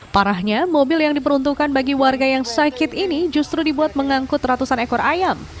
parahnya mobil yang diperuntukkan bagi warga yang sakit ini justru dibuat mengangkut ratusan ekor ayam